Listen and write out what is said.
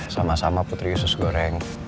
sama sama putri usus goreng